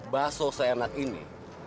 basuh seenak ini